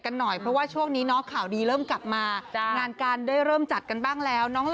ข้างหน้าว่าถ้ามันเป็นการลงทุนไว้ด้วยค่ะ